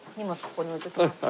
ここに置いときますね。